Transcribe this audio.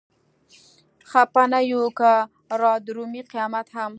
خپه نه يو که رادرومي قيامت هم